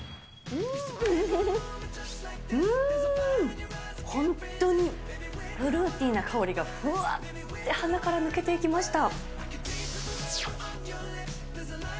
うーん、本当にフルーティーな香りがふわっと鼻から抜けていきました。